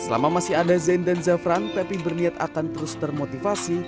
selama masih ada zen dan zafran pepi berniat akan terus termotivasi